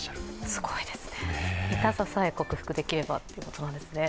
すごいですね、痛ささえ克服できればということなんですね。